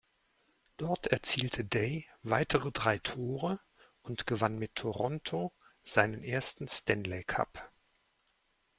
Dort erzielte Day weitere drei Tore und gewann mit Toronto seinen ersten Stanley Cup.